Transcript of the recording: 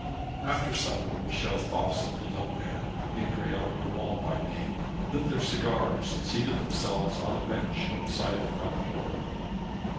After supper Michel Voss and the young man Adrian Urmand by name lit their cigars and seated themselves on a bench outside the front door.